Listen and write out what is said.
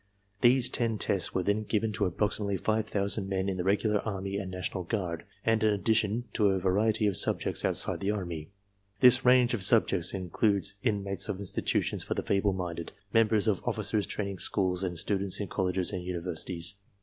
These ten tests were then given to approximately five thousand men in the Regular Army and National Guard, and in addition, to a variety of subjects outside of the Army. This range of subjects included inmates of institutions for the feeble minded, members of officers' training schools, and students in colleges and univer sities.